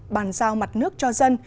bàn giao mặt nước cho dân